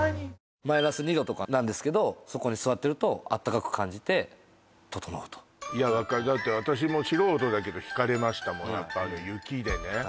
マイナス２℃とかなんですけどそこに座ってると温かく感じてととのうといや分かるだって私も素人だけどひかれましたもんあの雪でね